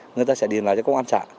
người ta sẽ điền lại cho công an xã